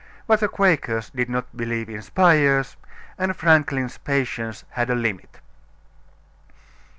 But the Quakers did not believe in spires, and Franklin's patience had a limit.